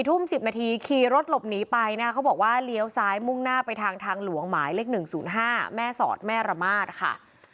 ทุ่ม๑๐นาทีขี่รถหลบหนีไปนะเขาบอกว่าเลี้ยวซ้ายมุ่งหน้าไปทางทางหลวงหมายเลข๑๐๕แม่สอดแม่ระมาทค่ะ